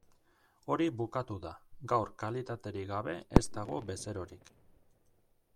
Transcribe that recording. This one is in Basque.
Hori bukatu da, gaur kalitaterik gabe ez dago bezerorik.